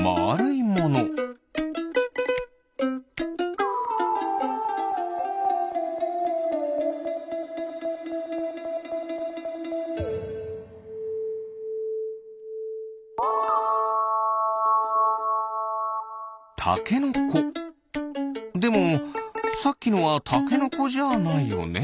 でもさっきのはタケノコじゃないよね。